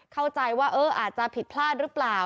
เข้าใจว่าอาจจะผิดพลาดหรือเปล่า